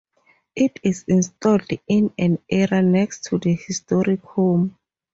It is installed in an area next to the historic home.